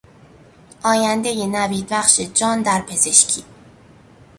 آیندهی نویدبخش جان در پزشکی